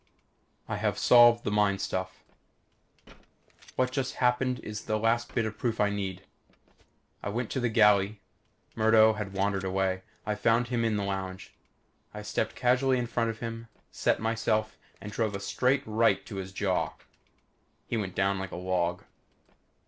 I have solved the mind stuff. What just happened is the last bit of proof I need. I went to the galley. Murdo had wandered away. I found him in the lounge. I stepped casually in front of him, set myself, and drove a straight right to his jaw. He went down like a log.